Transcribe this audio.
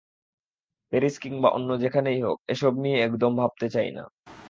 Paris কিংবা অন্য যেখানেই হোক, এসব নিয়ে একদম ভাবতে চাই না।